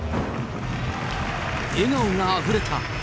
笑顔があふれた。